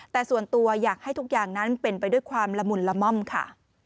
แต่ส่วนตัวอยากให้ทุกอย่างนั้นเป็นไปด้วยความละมุนละม่อมค่ะ